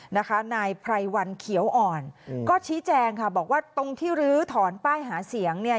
นายไพรวันเขียวอ่อนก็ชี้แจงค่ะบอกว่าตรงที่ลื้อถอนป้ายหาเสียงเนี่ย